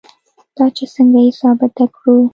دا چې څنګه یې ثابته کړو.